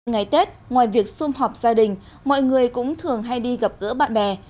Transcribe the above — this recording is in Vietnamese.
ngày tết ngoài việc xung họp gia đình mọi người cũng thường hay đi gặp gỡ bạn bè